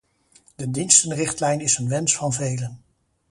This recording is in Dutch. De dienstenrichtlijn is een wens van velen.